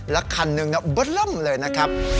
และคันหนึ่งนะบะเริ่มเลยนะครับ